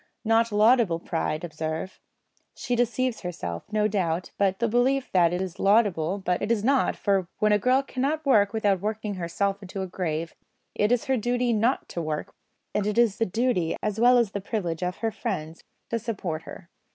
Not laudable pride, observe. She deceives herself, no doubt, into the belief that it is laudable, but it is not; for, when a girl cannot work without working herself into her grave, it is her duty not to work, and it is the duty as well as the privilege of her friends to support her.